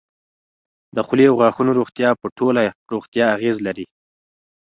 د خولې او غاښونو روغتیا په ټوله روغتیا اغېز لري.